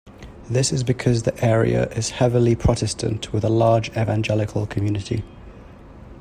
This is because the area is heavily Protestant with a large evangelical community.